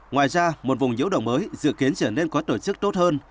ngoài ra một vùng nhiễu động mới dự kiến trở nên có tổ chức tốt hơn